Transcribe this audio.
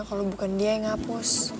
kalau bukan dia yang ngapus